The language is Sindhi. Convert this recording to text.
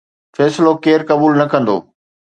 فيصلو ڪير قبول نه ڪندو؟